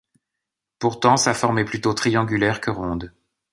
Pourtant sa forme est plutôt triangulaire que ronde.